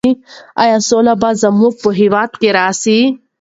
ایا سوله به زموږ په هېواد کې راسي؟